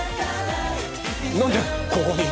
なんでここに？